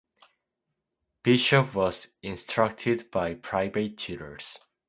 Bishop was instructed by private tutors.